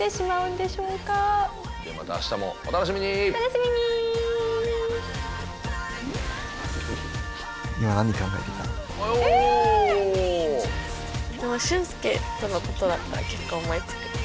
でも俊介との事だったら結構思い付く。